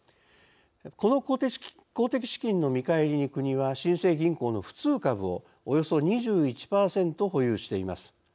この公的資金の見返りに国は新生銀行の普通株をおよそ２１％保有しています。